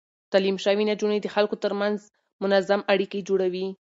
تعليم شوې نجونې د خلکو ترمنځ منظم اړيکې جوړوي.